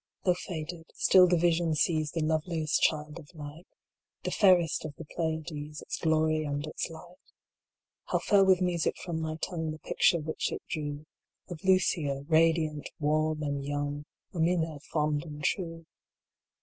Though faded, still the vision sees The loveliest child of night, The fairest of the Pleiades, Its glory and its light How fell with music from thy tongue The picture which it drew Of Lucia, radiant, warm, and young Amina, fond and true.